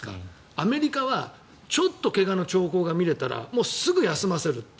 アメリカはちょっと怪我の兆候が見られたらすぐに休ませると。